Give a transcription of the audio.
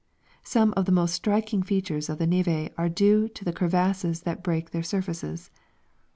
Some of the most striking features of the neve are due to the crevasses that break their surfaces.